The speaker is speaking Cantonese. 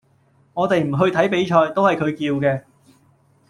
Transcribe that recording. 我哋唔去睇比賽，都係佢叫嘅